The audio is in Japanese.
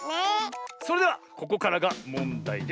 それではここからがもんだいです。